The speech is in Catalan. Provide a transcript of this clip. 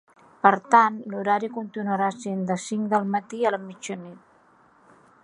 Per tant, l’horari continuarà sent de cinc del matí a la mitjanit.